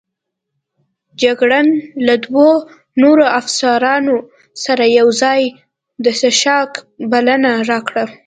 جګړن د له دوو نورو افسرانو سره یوځای د څښاک بلنه راکړه.